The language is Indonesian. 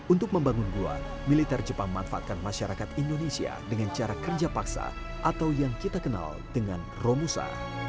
untuk membangun gua militer jepang manfaatkan masyarakat indonesia dengan cara kerja paksa atau yang kita kenal dengan romusa